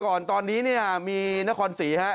ก่อนตอนนี้มีนครศรี